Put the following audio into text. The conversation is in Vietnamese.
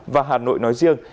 và hà nội nói riêng